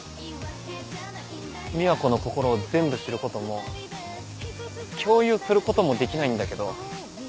美和子の心を全部知ることも共有することもできないんだけど。